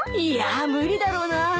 いや無理だろうな。